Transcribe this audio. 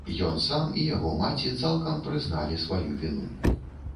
Ён сам і яго маці цалкам прызналі сваю віну.